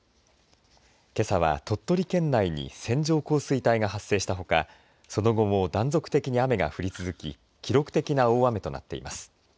けさは鳥取県内に線状降水帯が発生したほかその後も断続的に雨が降り続き記録的な大雨となっています。